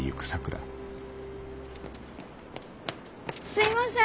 すいません！